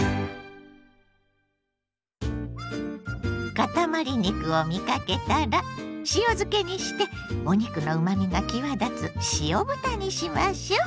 かたまり肉を見かけたら塩漬けにしてお肉のうまみが際立つ塩豚にしましょ。